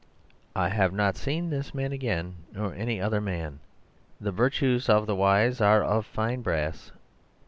I have not seen this man again nor any other man. The virtues of the wise are of fine brass.